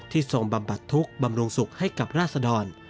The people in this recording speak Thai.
ที่ทรงบำบัดทุกข์บำรุงศุกร์ให้กับราษฎร